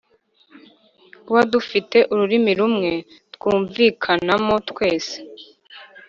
kuba dufite ururimi rumwe twumvikanamo twese,